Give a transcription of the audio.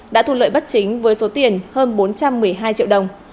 đã thu lợi bất chính với số tiền hơn bốn trăm một mươi hai triệu đồng